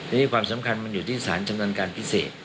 นี่ความสำคัญมันอยู่ที่สารจำนวนการพิเศษ